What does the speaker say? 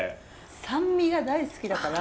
酸味が大好きだから。